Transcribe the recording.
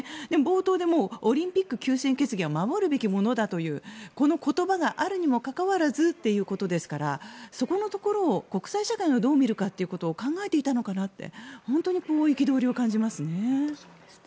でも冒頭でもオリンピック休戦決議は守るべきものだというこの言葉があるにもかかわらずということですからそこのところを、国際社会がどう見るかっていうことを考えていたのかなっていうところに本当に憤りを感じますね。